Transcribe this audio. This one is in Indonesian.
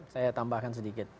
saya tambahkan sedikit